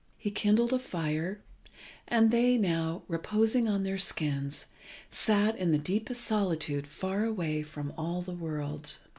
He kindled a fire, and they now, reposing on their skins, sat in the deepest solitude far away from all the world.